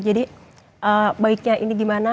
jadi baiknya ini gimana